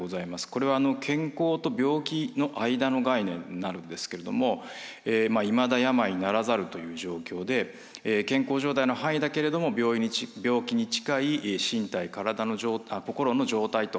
これは健康と病気の間の概念になるんですけれども「未だ病にならざる」という状況で健康状態の範囲だけれども病気に近い身体・心の状態ということになってるんですけれども。